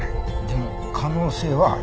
でも可能性はある。